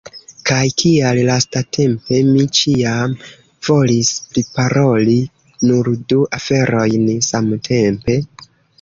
Kaj kial lastatempe, mi ĉiam volis priparoli nur du aferojn samtempe?